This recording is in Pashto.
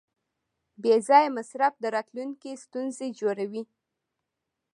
بېځایه مصرف د راتلونکي ستونزې جوړوي.